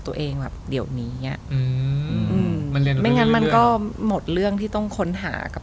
ตัวเองแบบเดี๋ยวนี้อ่ะอืมไม่งั้นมันก็หมดเรื่องที่ต้องค้นหากับ